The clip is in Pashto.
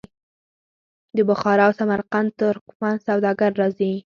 د بخارا او سمرقند ترکمن سوداګر راځي.